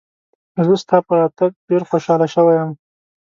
زه ستا په راتګ ډېر خوشاله شوی یم.